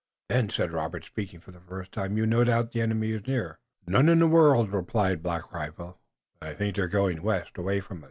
"Then," said Robert, speaking for the first time, "you've no doubt the enemy is near?" "None in the world," replied Black Rifle, "but I think they're going west, away from us.